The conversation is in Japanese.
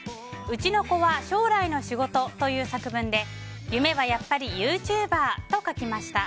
うちの子は「将来の仕事」という作文で夢はやっぱりユーチューバー！と書きました。